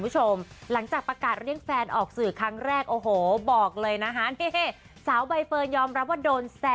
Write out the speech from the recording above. อุ๊ยตายแล้วเพิ่งรู้เหมือนกันนะ